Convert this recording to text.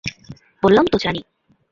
বললাম তো জানি।